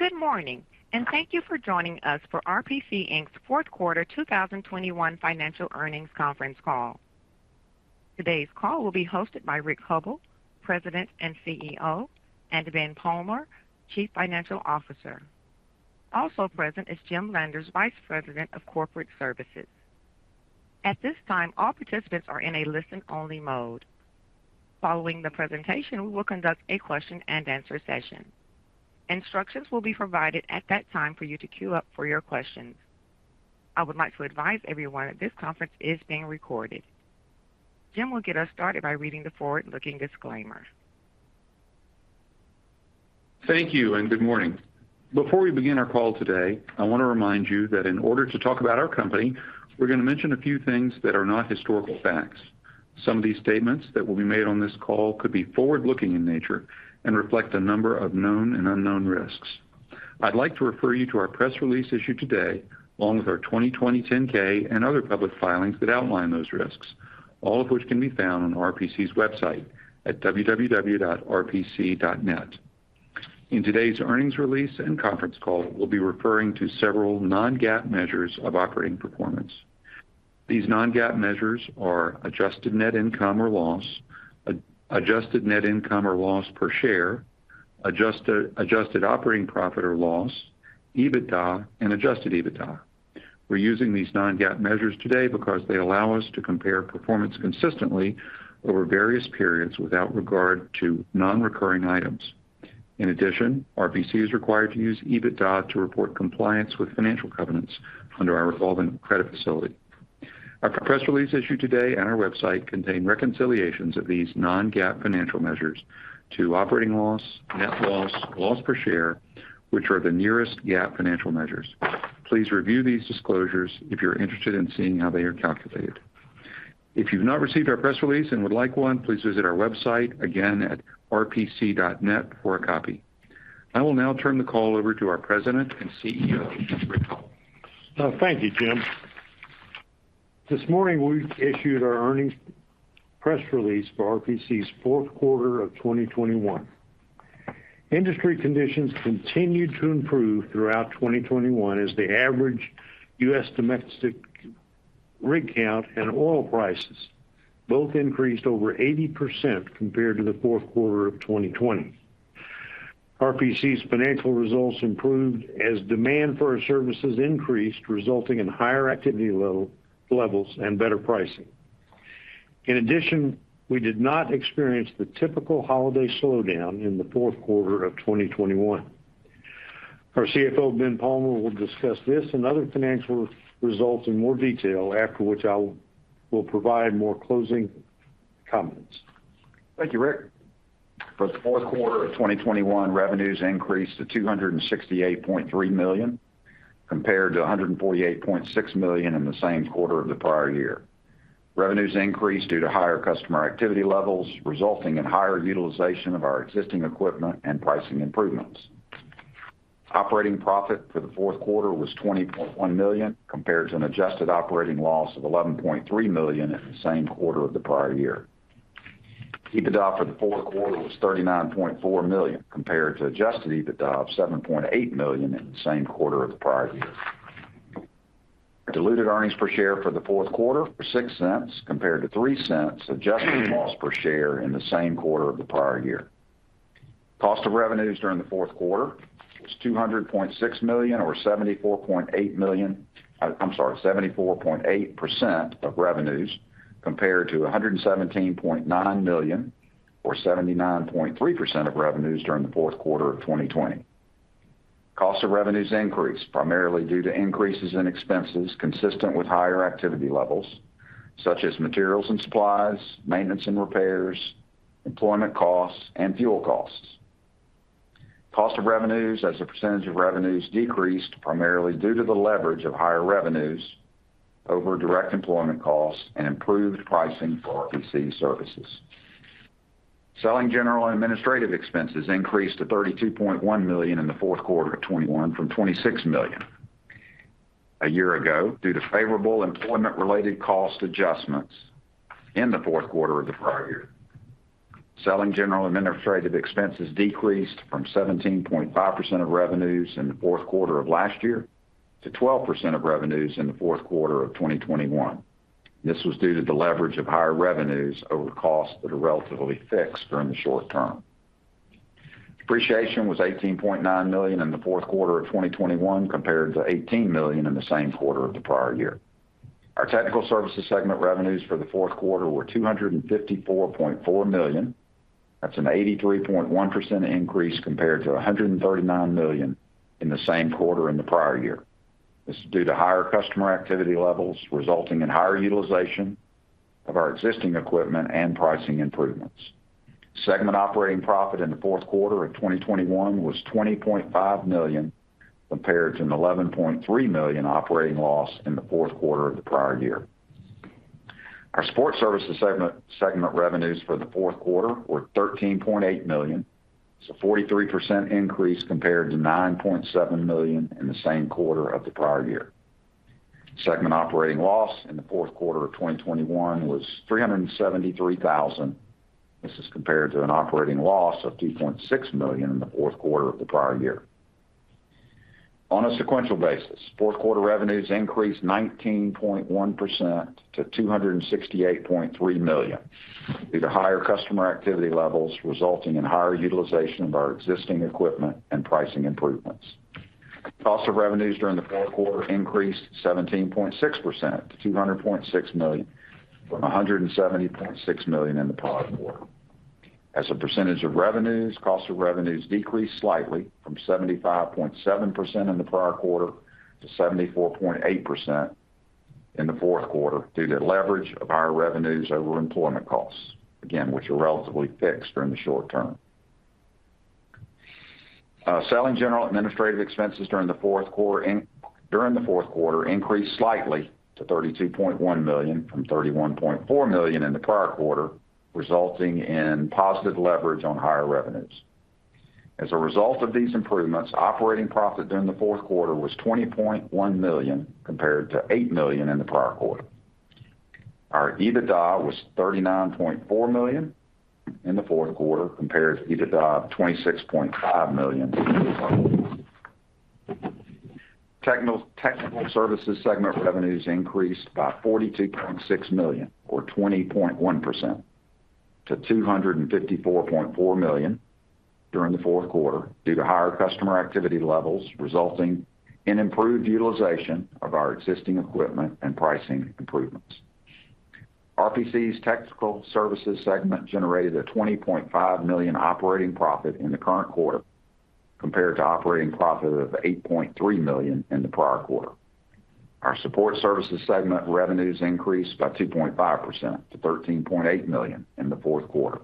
Good morning, and thank you for joining us for RPC, Inc.'s fourth quarter 2021 financial earnings conference call. Today's call will be hosted by Rick Hubbell, President and CEO, and Ben Palmer, Chief Financial Officer. Also present is Jim Landers, Vice President of Corporate Services. At this time, all participants are in a listen-only mode. Following the presentation, we will conduct a question-and-answer session. Instructions will be provided at that time for you to queue up for your questions. I would like to advise everyone that this conference is being recorded. Jim will get us started by reading the forward-looking disclaimer. Thank you and good morning. Before we begin our call today, I wanna remind you that in order to talk about our company, we're gonna mention a few things that are not historical facts. Some of these statements that will be made on this call could be forward-looking in nature and reflect a number of known and unknown risks. I'd like to refer you to our press release issued today, along with our 2020 10-K and other public filings that outline those risks, all of which can be found on RPC's website at www.rpc.net. In today's earnings release and conference call, we'll be referring to several non-GAAP measures of operating performance. These non-GAAP measures are adjusted net income or loss, adjusted net income or loss per share, adjusted operating profit or loss, EBITDA and Adjusted EBITDA. We're using these non-GAAP measures today because they allow us to compare performance consistently over various periods without regard to non-recurring items. In addition, RPC is required to use EBITDA to report compliance with financial covenants under our revolving credit facility. Our press release issued today on our website contain reconciliations of these non-GAAP financial measures to operating loss, net loss per share, which are the nearest GAAP financial measures. Please review these disclosures if you're interested in seeing how they are calculated. If you've not received our press release and would like one, please visit our website, again, at rpc.net for a copy. I will now turn the call over to our President and CEO, Rick Hubbell. Thank you, Jim. This morning, we issued our earnings press release for RPC's fourth quarter of 2021. Industry conditions continued to improve throughout 2021 as the average U.S. domestic rig count and oil prices both increased over 80% compared to the fourth quarter of 2020. RPC's financial results improved as demand for our services increased, resulting in higher activity levels and better pricing. In addition, we did not experience the typical holiday slowdown in the fourth quarter of 2021. Our CFO, Ben Palmer, will discuss this and other financial results in more detail, after which we'll provide more closing comments. Thank you, Rick. For the fourth quarter of 2021, revenues increased to $268.3 million, compared to $148.6 million in the same quarter of the prior year. Revenues increased due to higher customer activity levels, resulting in higher utilization of our existing equipment and pricing improvements. Operating profit for the fourth quarter was $20.1 million, compared to an adjusted operating loss of $11.3 million in the same quarter of the prior year. EBITDA for the fourth quarter was $39.4 million, compared to Adjusted EBITDA of $7.8 million in the same quarter of the prior year. Diluted earnings per share for the fourth quarter were $0.06, compared to $0.03 adjusted loss per share in the same quarter of the prior year. Cost of revenues during the fourth quarter was $200.6 million or 74.8% of revenues, compared to $117.9 million or 79.3% of revenues during the fourth quarter of 2020. Cost of revenues increased primarily due to increases in expenses consistent with higher activity levels, such as materials and supplies, maintenance and repairs, employment costs, and fuel costs. Cost of revenues as a percentage of revenues decreased primarily due to the leverage of higher revenues over direct employment costs and improved pricing for RPC services. Selling, general, and administrative expenses increased to $32.1 million in the fourth quarter of 2021 from $26 million a year ago, due to favorable employment-related cost adjustments in the fourth quarter of the prior year. Selling, general and administrative expenses decreased from 17.5% of revenues in the fourth quarter of last year to 12% of revenues in the fourth quarter of 2021. This was due to the leverage of higher revenues over costs that are relatively fixed during the short term. Depreciation was $18.9 million in the fourth quarter of 2021, compared to $18 million in the same quarter of the prior year. Our Technical Services segment revenues for the fourth quarter were $254.4 million. That's an 83.1% increase compared to $139 million in the same quarter in the prior year. This is due to higher customer activity levels, resulting in higher utilization of our existing equipment and pricing improvements. Segment operating profit in the fourth quarter of 2021 was $20.5 million, compared to an $11.3 million operating loss in the fourth quarter of the prior year. Our Support Services segment revenues for the fourth quarter were $13.8 million, a 43% increase compared to $9.7 million in the same quarter of the prior year. Segment operating loss in the fourth quarter of 2021 was $373,000. This is compared to an operating loss of $2.6 million in the fourth quarter of the prior year. On a sequential basis, fourth quarter revenues increased 19.1% to $268.3 million, due to higher customer activity levels resulting in higher utilization of our existing equipment and pricing improvements. Cost of revenues during the fourth quarter increased 17.6% to $200.6 million, from $170.6 million in the prior quarter. As a percentage of revenues, cost of revenues decreased slightly from 75.7% in the prior quarter to 74.8% in the fourth quarter, due to leverage of our revenues over employment costs, again, which are relatively fixed during the short term. Selling, general, and administrative expenses during the fourth quarter increased slightly to $32.1 million from $31.4 million in the prior quarter, resulting in positive leverage on higher revenues. As a result of these improvements, operating profit during the fourth quarter was $20.1 million, compared to $8 million in the prior quarter. Our EBITDA was $39.4 million in the fourth quarter compared to EBITDA of $26.5 million. Technical Services segment revenues increased by $42.6 million or 20.1% to $254.4 million during the fourth quarter due to higher customer activity levels resulting in improved utilization of our existing equipment and pricing improvements. RPC's Technical Services segment generated a $20.5 million operating profit in the current quarter compared to operating profit of $8.3 million in the prior quarter. Our Support Services segment revenues increased by 2.5% to $13.8 million in the fourth quarter.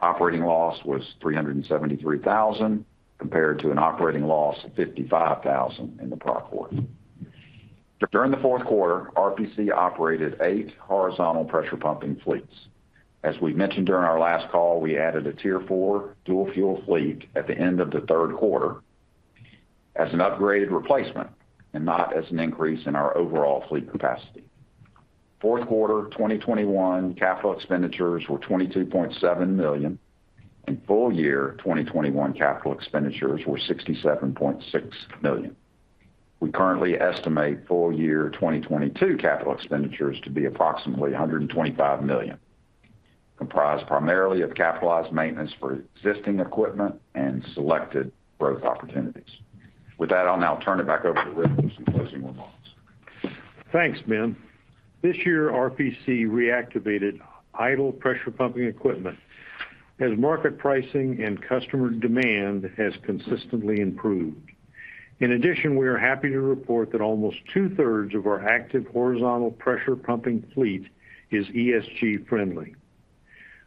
Operating loss was $373,000, compared to an operating loss of $55,000 in the prior quarter. During the fourth quarter, RPC operated eight horizontal pressure pumping fleets. As we mentioned during our last call, we added a Tier 4 dual fuel fleet at the end of the third quarter as an upgraded replacement and not as an increase in our overall fleet capacity. Fourth quarter 2021 capital expenditures were $22.7 million, and full year 2021 capital expenditures were $67.6 million. We currently estimate full year 2022 capital expenditures to be approximately $125 million, comprised primarily of capitalized maintenance for existing equipment and selected growth opportunities. With that, I'll now turn it back over to Rick to give some closing remarks. Thanks, Ben. This year, RPC reactivated idle pressure pumping equipment as market pricing and customer demand has consistently improved. In addition, we are happy to report that almost two-thirds of our active horizontal pressure pumping fleet is ESG friendly.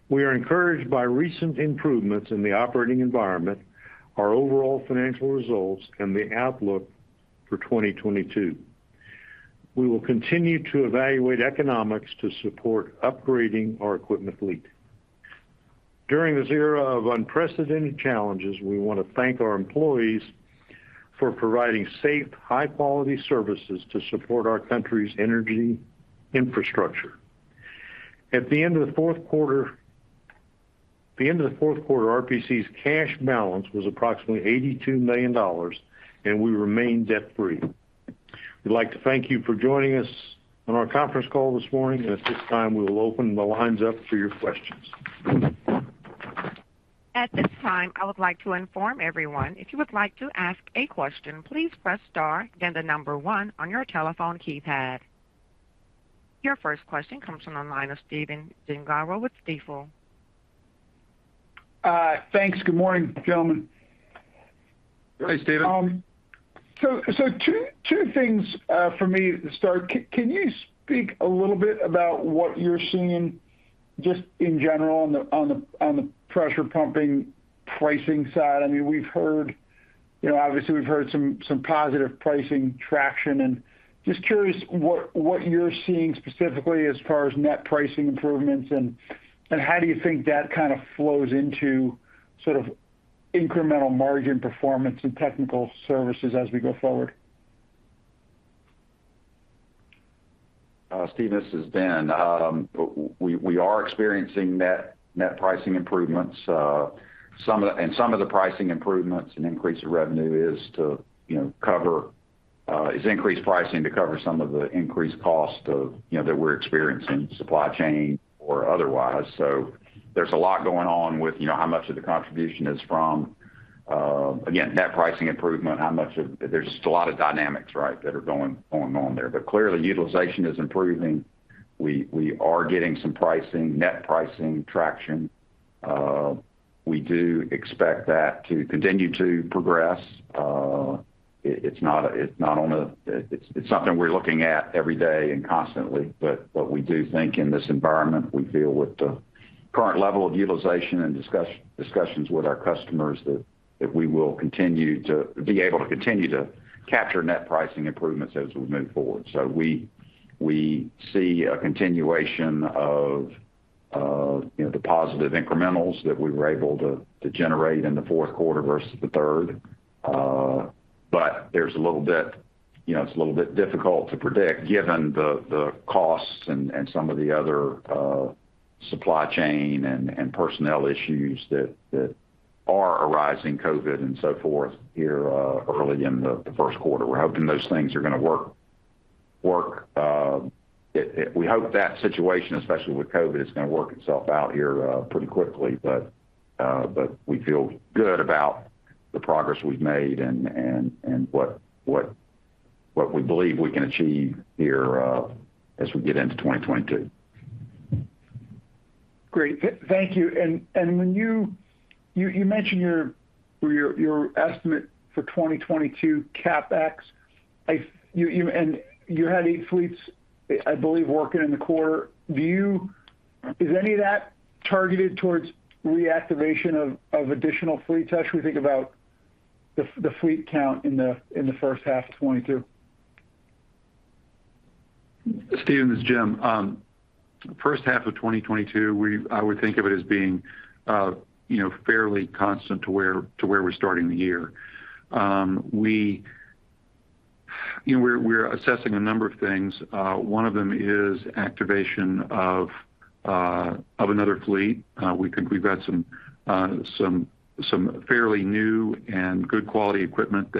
We are encouraged by recent improvements in the operating environment, our overall financial results, and the outlook for 2022. We will continue to evaluate economics to support upgrading our equipment fleet. During this era of unprecedented challenges, we wanna thank our employees for providing safe, high quality services to support our country's energy infrastructure. At the end of the fourth quarter, RPC's cash balance was approximately $82 million, and we remain debt-free. We'd like to thank you for joining us on our conference call this morning, and at this time, we will open the lines up for your questions. At this time, I would like to inform everyone if you would like to ask a question, please press star then the number one on your telephone keypad. Your first question comes from the line of Stephen Gengaro with Stifel. Thanks. Good morning, gentlemen. Hey, Stephen. Two things for me to start. Can you speak a little bit about what you're seeing just in general on the pressure pumping pricing side? I mean, we've heard, you know, obviously we've heard some positive pricing traction. Just curious what you're seeing specifically as far as net pricing improvements and how do you think that kind of flows into sort of incremental margin performance and Technical Services as we go forward? Steve, this is Ben. We are experiencing net pricing improvements. Some of the pricing improvements and increase of revenue is to you know cover some of the increased cost of you know that we're experiencing, supply chain or otherwise. There's a lot going on with you know how much of the contribution is from again net pricing improvement. There's just a lot of dynamics, right, that are going on there. Clearly, utilization is improving. We are getting some pricing, net pricing traction. We do expect that to continue to progress. It's something we're looking at every day and constantly. What we do think in this environment, we feel with the current level of utilization and discussions with our customers that we will continue to be able to continue to capture net pricing improvements as we move forward. We see a continuation of, you know, the positive incrementals that we were able to generate in the fourth quarter versus the third. There's a little bit, you know, it's a little bit difficult to predict given the costs and some of the other supply chain and personnel issues that are arising, COVID and so forth, here early in the first quarter. We're hoping those things are gonna work. We hope that situation, especially with COVID, is gonna work itself out here pretty quickly. We feel good about the progress we've made and what we believe we can achieve here, as we get into 2022. Great. Thank you. When you mentioned your estimate for 2022 CapEx. You had eight fleets, I believe, working in the quarter. Is any of that targeted towards reactivation of additional fleets? How should we think about the fleet count in the first half of 2022? Stephen, this is Jim. First half of 2022, I would think of it as being, you know, fairly constant to where we're starting the year. You know, we're assessing a number of things. One of them is activation of another fleet. We think we've got some fairly new and good quality equipment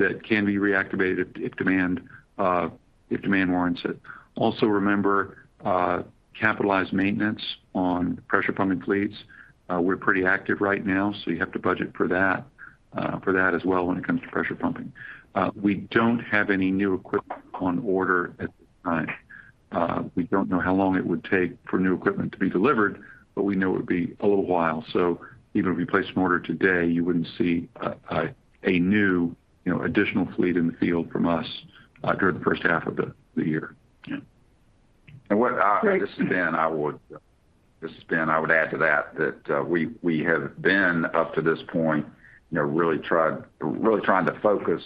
that can be reactivated if demand warrants it. Also, remember capitalized maintenance on pressure pumping fleets. We're pretty active right now, so you have to budget for that as well when it comes to pressure pumping. We don't have any new equipment on order at the time. We don't know how long it would take for new equipment to be delivered, but we know it would be a little while. Even if we placed an order today, you wouldn't see a new, you know, additional fleet in the field from us during the first half of the year. Yeah. What Great. This is Ben. I would add to that that we have been, up to this point, you know, really trying to focus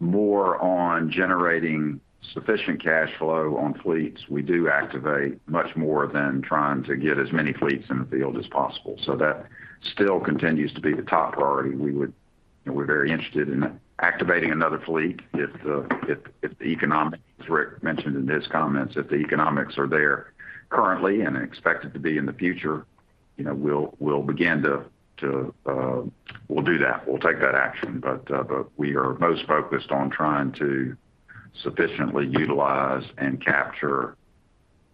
more on generating sufficient cash flow on fleets we do activate much more than trying to get as many fleets in the field as possible. That still continues to be the top priority. You know, we're very interested in activating another fleet if the economics, as Rick mentioned in his comments, if the economics are there currently and are expected to be in the future, you know, we'll begin to. We'll do that. We'll take that action. We are most focused on trying to sufficiently utilize and capture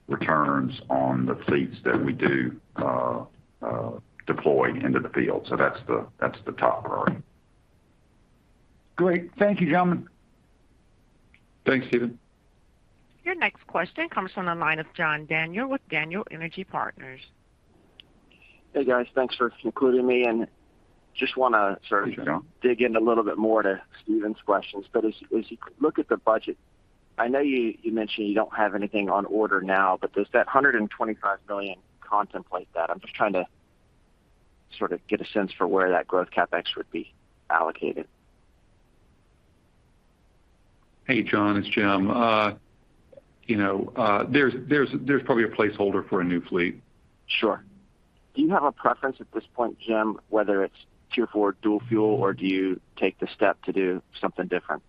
returns on the fleets that we do deploy into the field. That's the top priority. Great. Thank you, gentlemen. Thanks, Stephen. Your next question comes from the line of John Daniel with Daniel Energy Partners. Hey, guys. Thanks for including me. Just wanna sort of. Hey, John.... dig in a little bit more to Stephen's questions. As you look at the budget, I know you mentioned you don't have anything on order now, but does that $125 million contemplate that? I'm just trying to sort of get a sense for where that growth CapEx would be allocated. Hey, John, it's Jim. You know, there's probably a placeholder for a new fleet. Sure. Do you have a preference at this point, Jim, whether it's Tier 4 dual fuel, or do you take the step to do something different?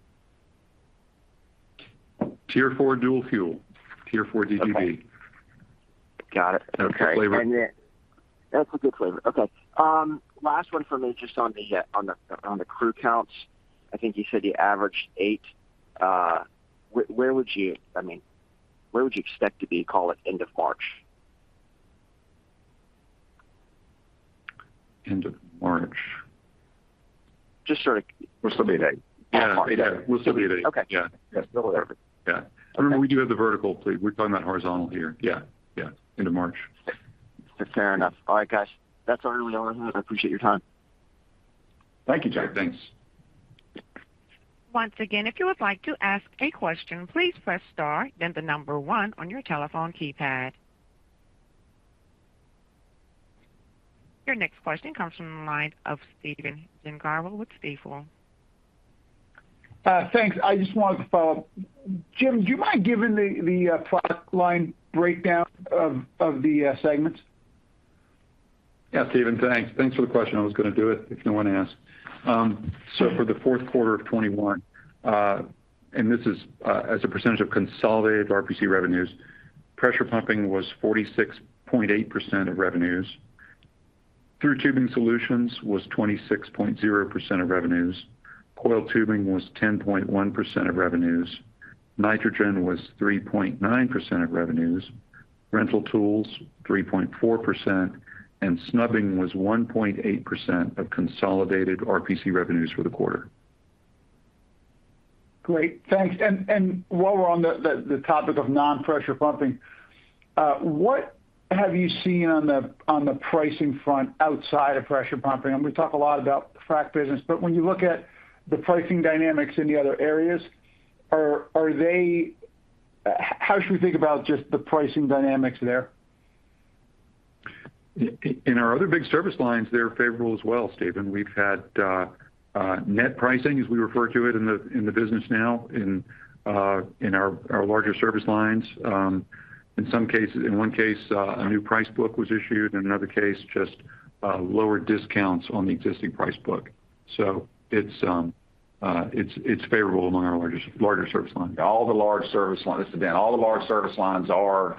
Tier 4 dual fuel. Tier 4 DGB. Okay. Got it. That's the flavor. Yeah. That's a good flavor. Okay. Last one for me, just on the crew counts. I think you said you averaged eight. I mean, where would you expect to be, call it, end of March? End of March. Just sort of- We'll still be at eight. Yeah. At eight. We'll still be at eight. Okay. Yeah. Yes. Still at eight. Yeah. Okay. I mean, we do have the vertical fleet. We're talking about horizontal here. Yeah, yeah. End of March. Fair enough. All right, guys. That's all I really wanted. I appreciate your time. Thank you, John. Thanks. Once again, if you would like to ask a question, please press star then the number one on your telephone keypad. Your next question comes from the line of Stephen Gengaro with Stifel. Thanks. I just wanted to follow up. Jim, do you mind giving the product line breakdown of the segments? Yeah, Stephen, thanks. Thanks for the question. I was gonna do it if no one asked. For the fourth quarter of 2021, and this is, as a percentage of consolidated RPC revenues, pressure pumping was 46.8% of revenues. Thru Tubing Solutions was 26.0% of revenues. coiled tubing was 10.1% of revenues. Nitrogen was 3.9% of revenues. Rental tools, 3.4%, and snubbing was 1.8% of consolidated RPC revenues for the quarter. Great. Thanks. While we're on the topic of non-pressure pumping, what have you seen on the pricing front outside of pressure pumping? I mean, we talk a lot about the frac business, but when you look at the pricing dynamics in the other areas, how should we think about just the pricing dynamics there? In our other big service lines, they're favorable as well, Stephen. We've had net pricing, as we refer to it in the business now in our larger service lines. In some cases, in one case, a new price book was issued. In another case, just lower discounts on the existing price book. It's favorable among our larger service lines. This is Ben. All the large service lines are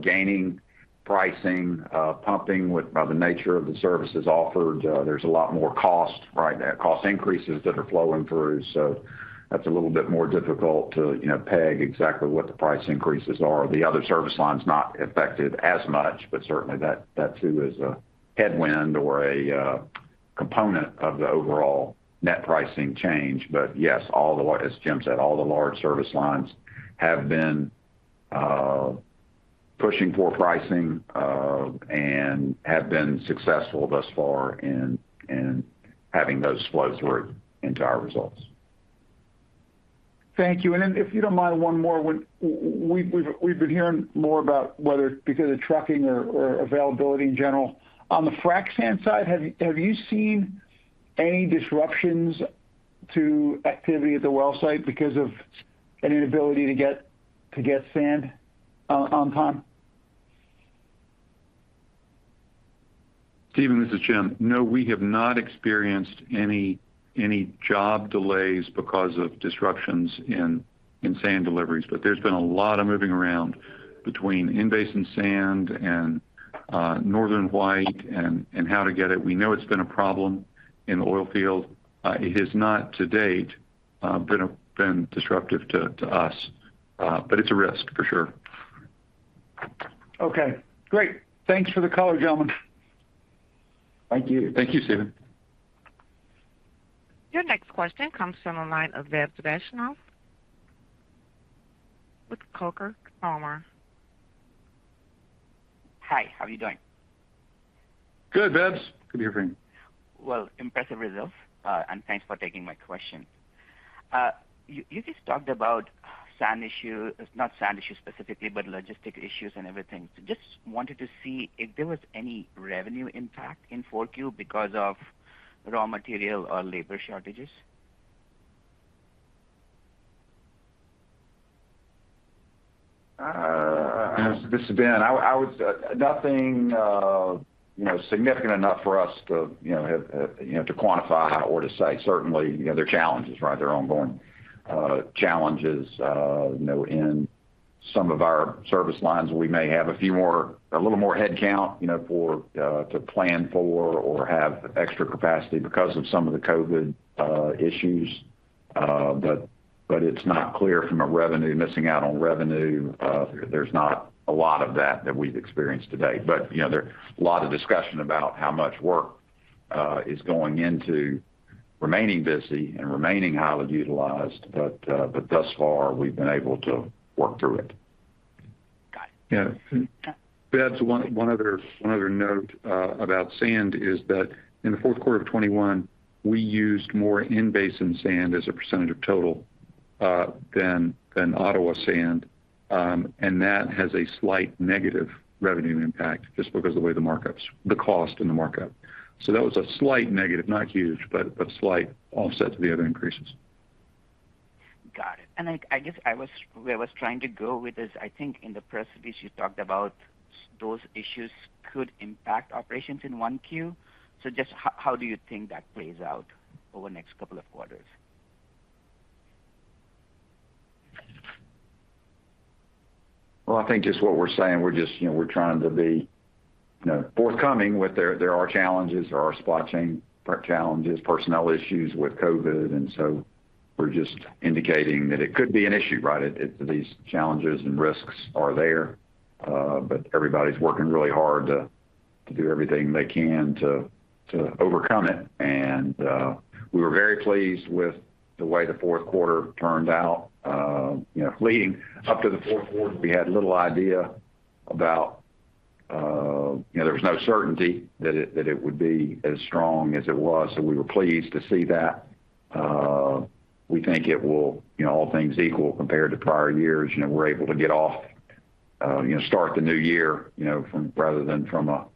gaining pricing. Pumping, with the nature of the services offered, there's a lot more cost, right? Cost increases that are flowing through, so that's a little bit more difficult to, you know, peg exactly what the price increases are. The other service line's not affected as much, but certainly that too is a headwind or a component of the overall net pricing change. Yes, as Jim said, all the large service lines have been pushing for pricing and have been successful thus far in having those flows work into our results. Thank you. If you don't mind, one more. We've been hearing more about whether because of trucking or availability in general. On the frac sand side, have you seen any disruptions to activity at the well site because of an inability to get sand on time? Stephen, this is Jim. No, we have not experienced any job delays because of disruptions in sand deliveries. There's been a lot of moving around between in-basin sand and northern white and how to get it. We know it's been a problem in the oilfield. It has not to date been disruptive to us. It's a risk for sure. Okay, great. Thanks for the color, gentlemen. Thank you. Thank you, Stephen. Your next question comes from the line of Vebs Vaishnav with Coker & Palmer. Hi, how are you doing? Good, Vebs. Good evening. Well, impressive results, and thanks for taking my question. You just talked about sand issue, not sand issue specifically, but logistic issues and everything. Just wanted to see if there was any revenue impact in Q4 because of raw material or labor shortages. This is Ben. Nothing, you know, significant enough for us to, you know, to quantify or to say. Certainly, there are challenges, right? There are ongoing challenges, you know, in some of our service lines. We may have a little more headcount, you know, for to plan for or have extra capacity because of some of the COVID issues. It's not clear from a revenue, missing out on revenue. There's not a lot of that we've experienced to date. You know, there are a lot of discussion about how much work is going into remaining busy and remaining highly utilized. Thus far, we've been able to work through it. Got it. Yeah. Vebs, one other note about sand is that in the fourth quarter of 2021, we used more in-basin sand as a percentage of total than Ottawa sand. That has a slight negative revenue impact just because the way the markets, the cost in the market. That was a slight negative, not huge, but slight offset to the other increases. Got it. I guess where I was trying to go with this, I think in the press release, you talked about those issues could impact operations in one Q. Just how do you think that plays out over the next couple of quarters? Well, I think just what we're saying, we're just, you know, we're trying to be, you know, forthcoming, there are challenges. There are supply chain challenges, personnel issues with COVID. We're just indicating that it could be an issue, right? These challenges and risks are there, but everybody's working really hard to do everything they can to overcome it. We were very pleased with the way the fourth quarter turned out. You know, leading up to the fourth quarter, we had little idea about, you know, there was no certainty that it would be as strong as it was. We were pleased to see that. We think it will, you know, all things equal compared to prior years. You know, we're able to get off, you know, start the new year, you know, from rather than from a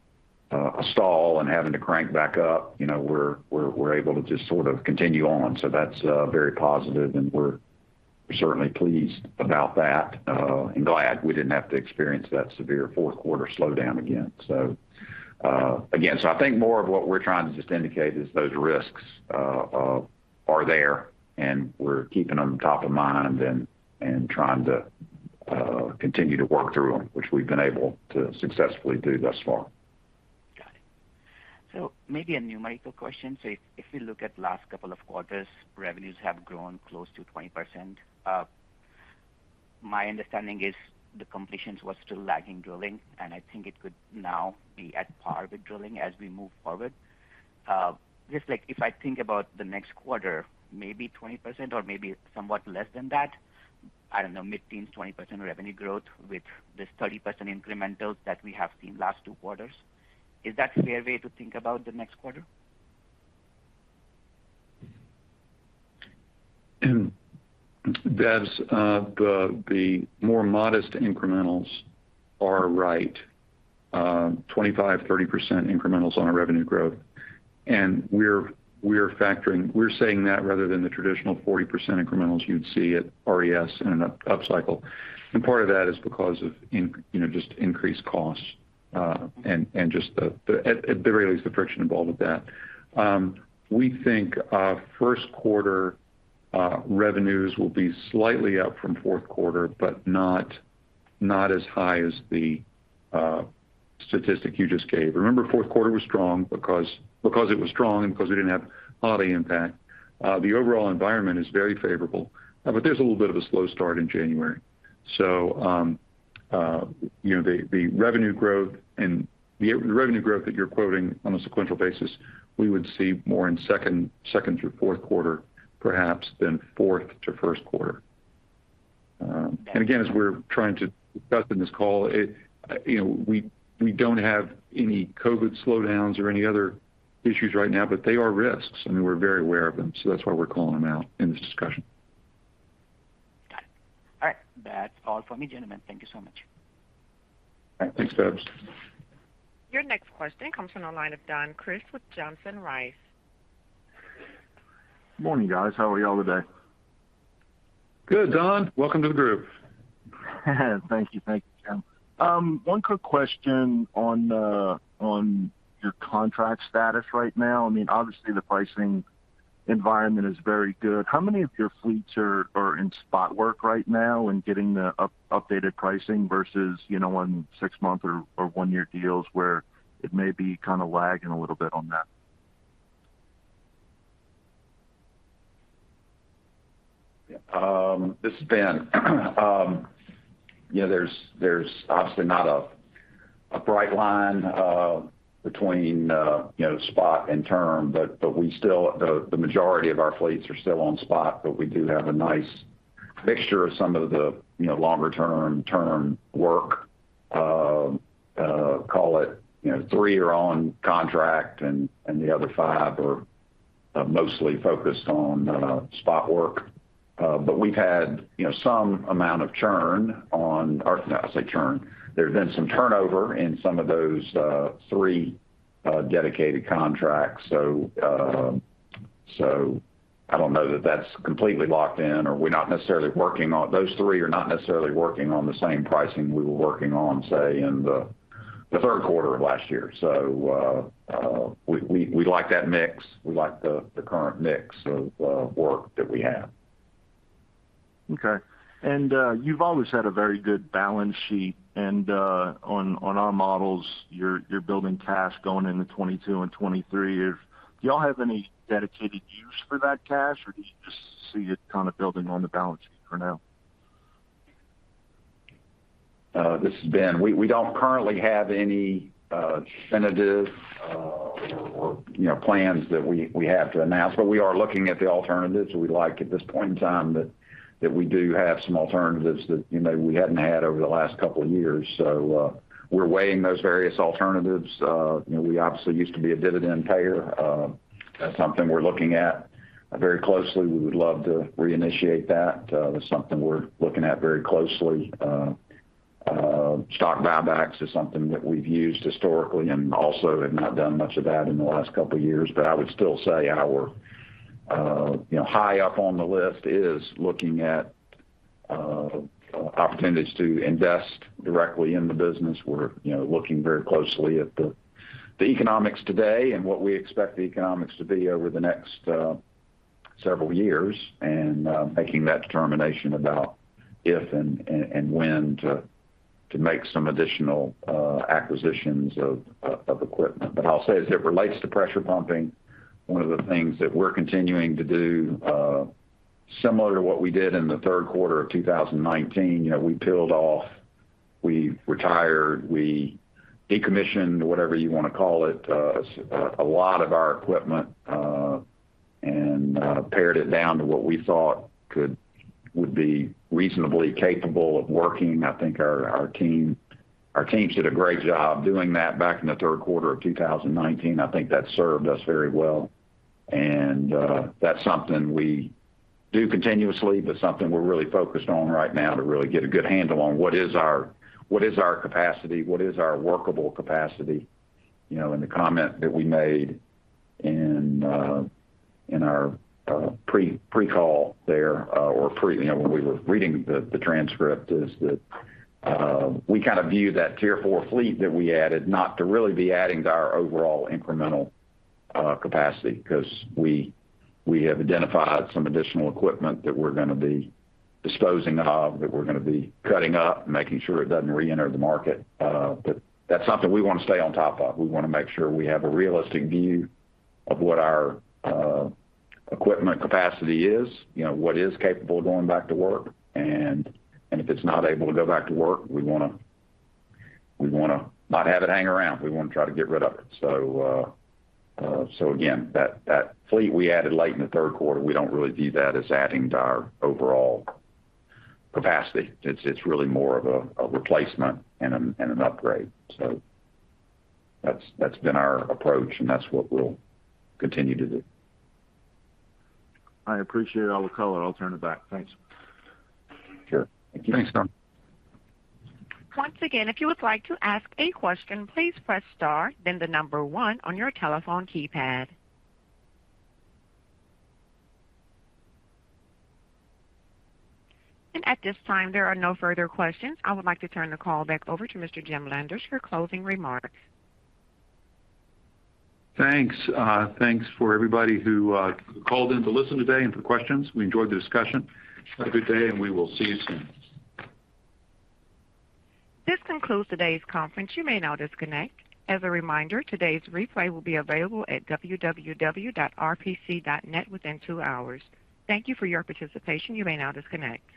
stall and having to crank back up. You know, we're able to just sort of continue on. That's very positive, and we're certainly pleased about that, and glad we didn't have to experience that severe fourth quarter slowdown again. Again, I think more of what we're trying to just indicate is those risks are there, and we're keeping them top of mind and trying to continue to work through them, which we've been able to successfully do thus far. Got it. Maybe a numerical question. If we look at last couple of quarters, revenues have grown close to 20%. My understanding is the completions was still lagging drilling, and I think it could now be at par with drilling as we move forward. Just like if I think about the next quarter, maybe 20% or maybe somewhat less than that, I don't know, mid-teens, 20% revenue growth with this 30% incremental that we have seen last two quarters. Is that a fair way to think about the next quarter? Vebs, the more modest incrementals are right, 25%-30% incrementals on our revenue growth. We're saying that rather than the traditional 40% incrementals you'd see at RPC in an upcycle. Part of that is because of increased costs, you know, and just the friction involved with that, at the very least. We think our first quarter revenues will be slightly up from fourth quarter, but not as high as the statistic you just gave. Remember, fourth quarter was strong because it was strong and because we didn't have holiday impact. The overall environment is very favorable, but there's a little bit of a slow start in January. You know, the revenue growth that you're quoting on a sequential basis, we would see more in second through fourth quarter perhaps than fourth to first quarter. Again, as we're trying to discuss in this call, you know, we don't have any COVID slowdowns or any other issues right now, but they are risks, and we're very aware of them, so that's why we're calling them out in this discussion. Got it. All right. That's all for me, gentlemen. Thank you so much. All right. Thanks, Vebs. Your next question comes from the line of Don Crist with Johnson Rice. Morning, guys. How are y'all today? Good, Don. Welcome to the group. Thank you. Thank you, Jim. One quick question on your contract status right now. I mean, obviously the pricing environment is very good. How many of your fleets are in spot work right now and getting the updated pricing versus, you know, on six-month or one-year deals where it may be kind of lagging a little bit on that? Yeah. This is Ben. You know, there's obviously not a bright line between spot and term, but we still. The majority of our fleets are still on spot, but we do have a nice mixture of some of the longer term work. Call it, you know, three are on contract and the other five are mostly focused on spot work. We've had you know, some turnover in some of those three dedicated contracts. I don't know that that's completely locked in. Those three are not necessarily working on the same pricing we were working on, say, in the third quarter of last year. We like that mix. We like the current mix of work that we have. Okay. You've always had a very good balance sheet. On our models, you're building cash going into 2022 and 2023. If y'all have any dedicated use for that cash, or do you just see it kind of building on the balance sheet for now? This is Ben. We don't currently have any definitive, you know, plans that we have to announce. We are looking at the alternatives, and we like at this point in time that we do have some alternatives that, you know, we hadn't had over the last couple of years. We're weighing those various alternatives. You know, we obviously used to be a dividend payer. That's something we're looking at very closely. We would love to reinitiate that. That's something we're looking at very closely. Stock buybacks is something that we've used historically and also have not done much of that in the last couple of years. I would still say our, you know, high up on the list is looking at opportunities to invest directly in the business. We're, you know, looking very closely at the economics today and what we expect the economics to be over the next several years and making that determination about if and when to make some additional acquisitions of equipment. I'll say as it relates to pressure pumping, one of the things that we're continuing to do similar to what we did in the third quarter of 2019, you know, we peeled off, we retired, we decommissioned, whatever you wanna call it, a lot of our equipment and pared it down to what we thought would be reasonably capable of working. I think our teams did a great job doing that back in the third quarter of 2019. I think that served us very well. That's something we do continuously, but something we're really focused on right now to really get a good handle on what is our capacity, what is our workable capacity. You know, in the comment that we made in our pre-call there. You know, when we were reading the transcript is that we kind of view that Tier 4 fleet that we added not to really be adding to our overall incremental capacity because we have identified some additional equipment that we're gonna be disposing of, that we're gonna be cutting up and making sure it doesn't reenter the market. But that's something we wanna stay on top of. We wanna make sure we have a realistic view of what our equipment capacity is, you know, what is capable of going back to work. If it's not able to go back to work, we wanna not have it hang around. We wanna try to get rid of it. Again, that fleet we added late in the third quarter, we don't really view that as adding to our overall capacity. It's really more of a replacement and an upgrade. That's been our approach, and that's what we'll continue to do. I appreciate all the color. I'll turn it back. Thanks. Sure. Thank you. Thanks, Don. Once again, if you would like to ask a question, please press star, then number one on your telephone keypad. At this time, there are no further questions. I would like to turn the call back over to Mr. Jim Landers for closing remarks. Thanks. Thanks for everybody who called in to listen today and for questions. We enjoyed the discussion. Have a good day, and we will see you soon. This concludes today's conference. You may now disconnect. As a reminder, today's replay will be available at www.rpc.net within two hours. Thank you for your participation. You may now disconnect.